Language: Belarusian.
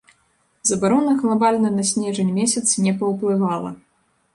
Забарона глабальна на снежань месяц не паўплывала.